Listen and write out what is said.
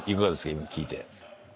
今聞いて。